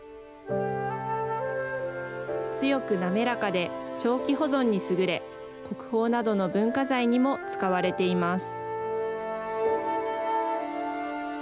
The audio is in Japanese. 強く滑らかで、長期保存に優れ、国宝などの文化財にも使われています。